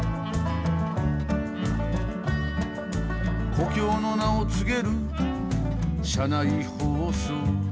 「故郷の名を告げる車内放送」